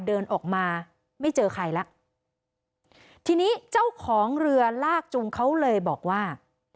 เดินออกมาไม่เจอใครแล้วทีนี้เจ้าของเรือลากจุงเขาเลยบอกว่า